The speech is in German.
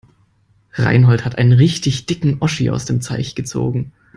Reinhold hat einen richtig dicken Oschi aus dem Teich gezogen.